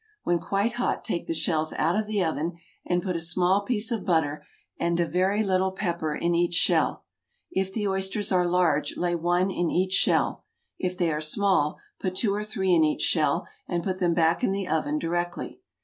When quite hot take the shells out of the oven and put a small piece of butter and a very little pepper in each shell. If the oysters are large lay one in each shell, if they are small put two or three in each shell and put them back in the oven directly.